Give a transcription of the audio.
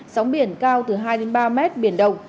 sóng biển cao từ hai ba m biển động